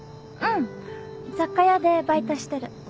うん雑貨屋でバイトしてる。